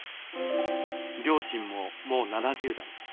両親ももう７０代。